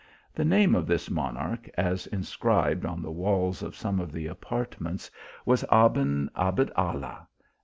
The name of this monarch, as inscribed on the walls of some of the apartments, was Aben Abd allah